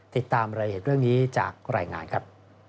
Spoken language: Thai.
ติดตามรายละเอียดเรื่องนี้จากรายงานครับ